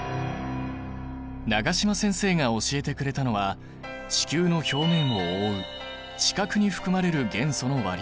永島先生が教えてくれたのは地球の表面を覆う地殻に含まれる元素の割合だ。